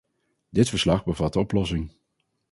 Dit verslag bevat de oplossing.